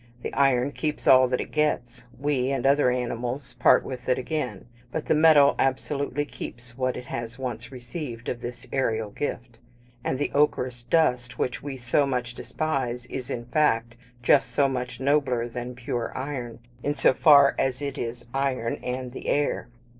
The iron keeps all that it gets; we, and other animals, part with it again; but the metal absolutely keeps what it has once received of this aerial gift; and the ochreous dust which we so much despise is, in fact, just so much nobler than pure iron, in so far as it is _iron and the air.